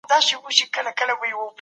هغه په کوڅې کي له انډيوال سره ولاړ دی.